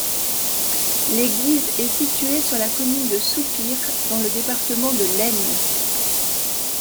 L'église est située sur la commune de Soupir, dans le département de l'Aisne.